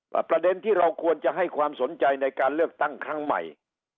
ประเด็นที่เราควรจะให้ความสนใจในการเลือกตั้งครั้งใหม่